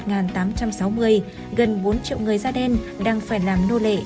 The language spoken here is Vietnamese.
gần bốn triệu người da đen đang phải làm nô lệ